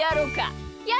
やる！